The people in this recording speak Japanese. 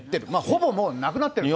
ほぼもう、なくなってる。